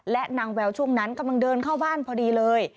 และนางแววช่วงนั้นกำลังเดินเข้าบ้านพอดีเลย